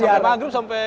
diarak sampe maghrib sampe